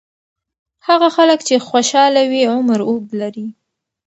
هغه خلک چې خوشاله وي، عمر اوږد لري.